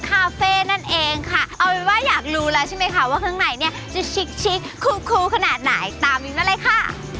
คาเฟ่นั่นเองค่ะเอาเป็นว่าอยากรู้แล้วใช่ไหมคะว่าข้างในเนี่ยจะชิกคูขนาดไหนตามมิ้นมาเลยค่ะ